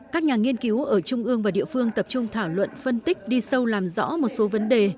các nhà nghiên cứu ở trung ương và địa phương tập trung thảo luận phân tích đi sâu làm rõ một số vấn đề